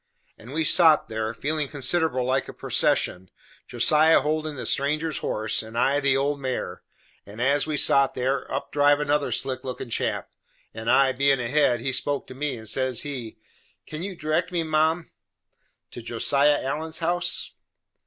And we sot there, feelin' considerable like a procession; Josiah holdin' the stranger's horse, and I the old mare; and as we sot there, up driv another slick lookin' chap, and I bein' ahead, he spoke to me, and says he: "Can you direct me, mom, to Josiah Allen's house?"